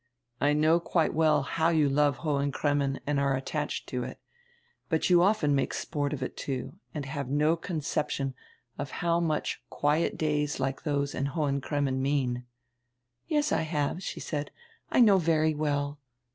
I know quite well how you love Hohen Cremmen and are attached to it, but you often make sport of it, too, and have no conception of how much quiet days like diose in Hohen Cremmen mean." "Yes I have," she said. "I know very well.